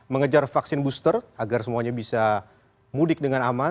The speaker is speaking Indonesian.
mengejar vaksin booster agar semuanya bisa mudik dengan aman